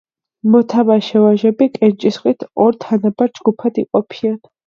მოთამაშე ვაჟები კენჭისყრით ორ თანაბარ ჯგუფად იყოფიან.